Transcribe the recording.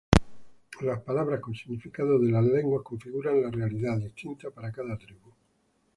Las palabras con significado de las lenguas configuran la Realidad, distinta para cada tribu.